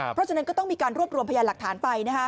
เพราะฉะนั้นก็ต้องมีการรวบรวมพยานหลักฐานไป